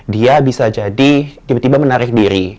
dia bisa jadi tiba tiba menarik diri